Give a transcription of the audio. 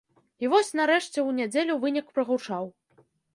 І вось нарэшце ў нядзелю вынік прагучаў.